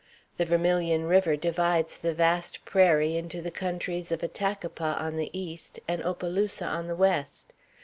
The Vermilion River divides the vast prairie into the countries of Attakapas on the east and Opelousas on the west.